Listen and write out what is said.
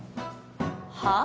は？